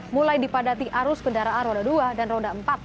mulai dipadati arus kendaraan roda dua dan roda empat